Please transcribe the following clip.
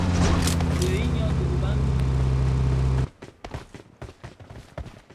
Bëug i nyôn, di biban bi nyôn.